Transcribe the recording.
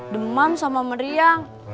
demam sama meriang